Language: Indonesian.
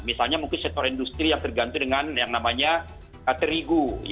misalnya mungkin sektor industri yang tergantung dengan yang namanya terigu